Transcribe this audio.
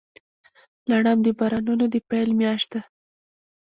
لړم د بارانونو د پیل میاشت ده.